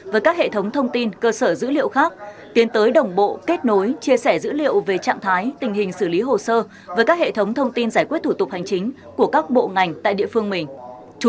với các hệ thống thông tin cơ sở dữ liệu khác tiến tới đồng bộ kết nối chia sẻ dữ liệu về trạng thái tình hình xử lý hồ sơ với các hệ thống thông tin giải quyết thủ tục hành chính của các bộ ngành tại địa phương mình